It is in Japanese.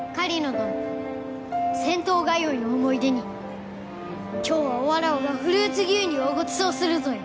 どの銭湯通いの思い出に今日はわらわがフルーツ牛乳をごちそうするぞよ。